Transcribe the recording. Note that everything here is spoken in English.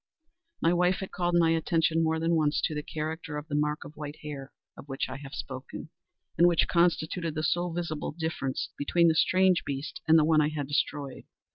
My wife had called my attention, more than once, to the character of the mark of white hair, of which I have spoken, and which constituted the sole visible difference between the strange beast and the one I had destroyed.